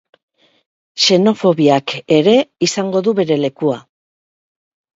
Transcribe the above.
Xenofobiak ere izango du bere lekua.